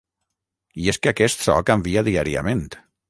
I és que aquest so canvia diàriament.